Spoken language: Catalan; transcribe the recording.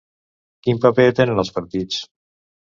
Quin paper tenen els partits?